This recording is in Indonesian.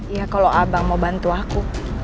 iya kalau abang mau bantu aku